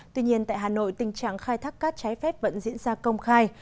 tuy nhiên tại hà nội tình trạng khai thác cát trái phép vẫn diễn ra công khai